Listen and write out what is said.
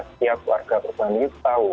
setiap warga perumahan ini tahu